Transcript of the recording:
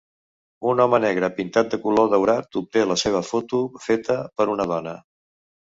Un home negre pintat de color daurat obté la seva foto feta per una dona.